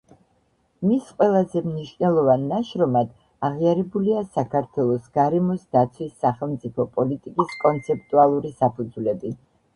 მის ყველაზე მნიშვნელოვან ნაშრომად აღიარებულია „საქართველოს გარემოს დაცვის სახელმწიფო პოლიტიკის კონცეპტუალური საფუძვლები“.